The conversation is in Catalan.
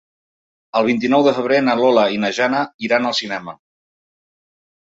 El vint-i-nou de febrer na Lola i na Jana iran al cinema.